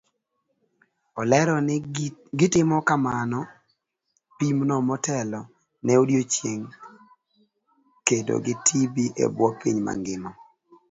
Olero ni gitimo pimno motelo ne odiochieng' kedo gi tb ebuo piny mangima.